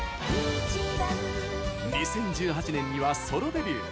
２０１８年にはソロデビュー！